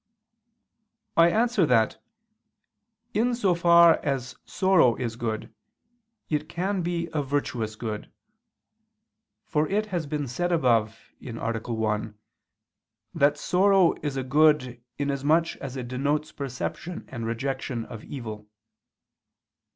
I answer that, In so far as sorrow is good, it can be a virtuous good. For it has been said above (A. 1) that sorrow is a good inasmuch as it denotes perception and rejection of evil.